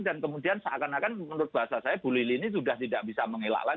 dan kemudian seakan akan menurut bahasa saya bu lili ini sudah tidak bisa mengelak lagi